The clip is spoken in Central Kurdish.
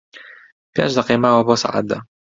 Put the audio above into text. پێنج دەقەی ماوە بۆ سەعات دە.